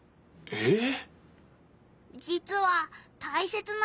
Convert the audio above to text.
えっ？